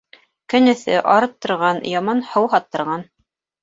Көн эҫе, арыттырған, яман һыуһаттырған.